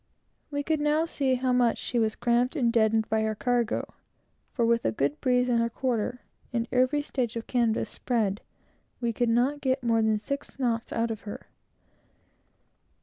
We could now see how much she was cramped and deadened by her cargo; for with a good breeze on her quarter, and every stitch of canvas spread, we could not get more than six knots out of her.